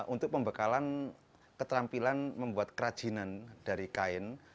untuk pembekalan keterampilan membuat kerajinan dari kain